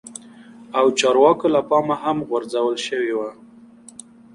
او چارواکو له پا مه هم غور ځول شوي وه